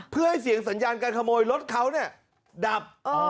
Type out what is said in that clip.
เพื่อให้เสียงสัญญาการขโมยรถเขาดับ